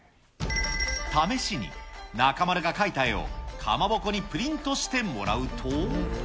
試しに、中丸が描いた絵をかまぼこにプリントしてもらうと。